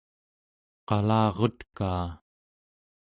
qalarutkaa